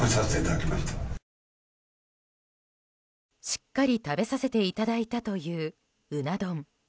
しっかり食べさせていただいたという、うな丼。